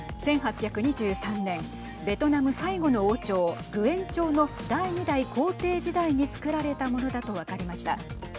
１８２３年ベトナム最後の王朝、グエン朝の第２代皇帝時代に作られたものだと分かりました。